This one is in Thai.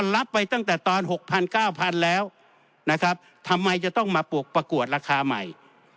รับไปตั้งแต่ตอน๖๐๐๙๐๐แล้วนะครับทำไมจะต้องมาปลูกประกวดราคาใหม่